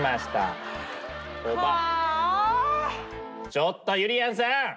ちょっとゆりやんさん！